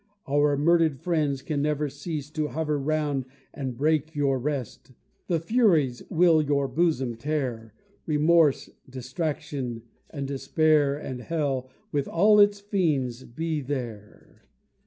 Our murdered friends can never cease To hover round and break your rest! The Furies will your bosom tear, Remorse, distraction, and despair And hell, with all its fiends, be there!